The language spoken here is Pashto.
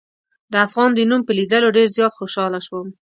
د افغان د نوم په لیدلو ډېر زیات خوشحاله شوم.